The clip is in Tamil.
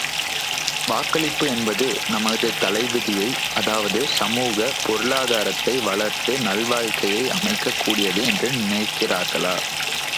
வாக்களிப்பு என்பது நமது தலைவிதியை அதாவது சமூக, பொருளாதாரத்தை வளர்த்து நல்வாழ்க்கையை அமைக்கக் கூடியது என்று நினைக்கிறார்களா?